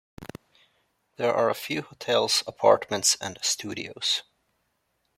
There are a few hotels, apartments and studios.